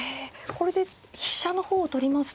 これで飛車の方を取りますと。